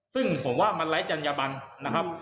ซึ่งผมว่ามันไร้จัญญบันนะครับ